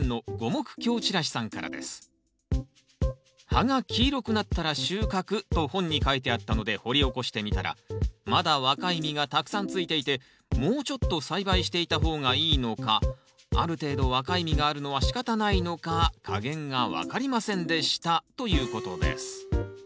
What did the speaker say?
「葉が黄色くなったら収穫と本に書いてあったので掘り起こしてみたらまだ若い実がたくさんついていてもうちょっと栽培していた方がいいのかある程度若い実があるのはしかたないのか加減が分かりませんでした」ということです